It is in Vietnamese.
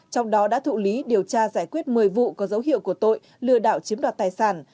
trong đó đã thụ lý điều tra giải quyết một mươi vụ có dấu hiệu của tội lừa đảo chiếm đoạt tài sản